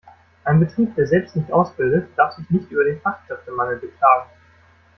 Ein Betrieb, der selbst nicht ausbildet, darf sich nicht über den Fachkräftemangel beklagen.